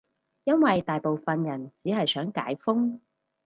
因爲大部分人只係想解封